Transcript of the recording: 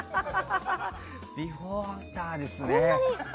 ビフォーアフターですね。